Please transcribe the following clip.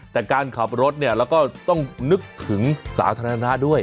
แต่การขับรถเนี่ยแล้วก็ต้องนึกถึงสาธารณะด้วย